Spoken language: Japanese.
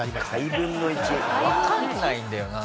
垓分の１？わかんないんだよな。